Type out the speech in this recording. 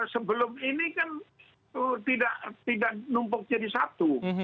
sebelum ini kan tidak numpuk jadi satu